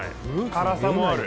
辛さもある。